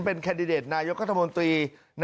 เป็นแคนดิเดตนายกัธมนตรี